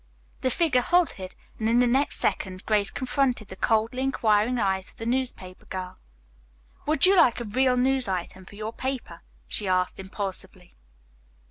The figure halted, and in the next second Grace confronted the coldly inquiring eyes of the newspaper girl. "Would you like a real news item for your paper?" she asked impulsively.